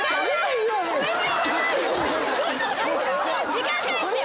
時間返してよ。